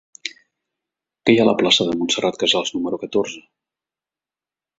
Què hi ha a la plaça de Montserrat Casals número catorze?